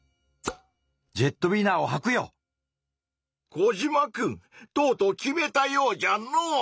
コジマくんとうとう決めたようじゃの！